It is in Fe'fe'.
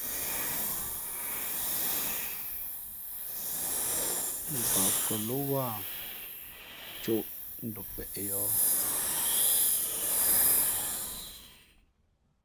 Mbak kαlō wāha ncōʼ dom pēʼ yoh.